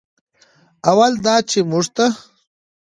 اول دا چې موږ ته